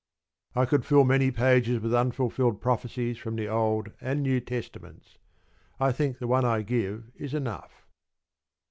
I could fill many pages with unfulfilled prophecies from the Old and New Testaments. I think the one I give is enough.